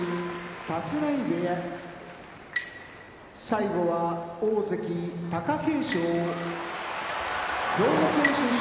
立浪部屋大関・貴景勝兵庫県出身